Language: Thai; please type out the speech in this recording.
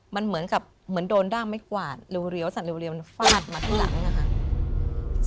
มันเหมือนกับเหมือนโดนด้ามไม้กวาดเรียวสัตวมันฟาดมาที่หลังนะคะ